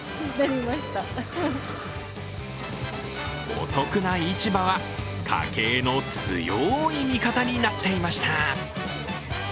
お得な市場は家計の強い味方になっていました。